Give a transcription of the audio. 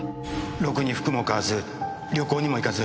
ろくに服も買わず旅行にも行かず。